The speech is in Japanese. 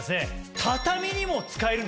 畳にも使えるんですよ。